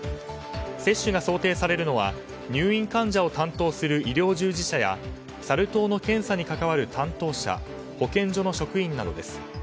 接種が想定されるのは入院患者を担当する医療従事者やサル痘の検査に関わる担当者、保健所の職員などです。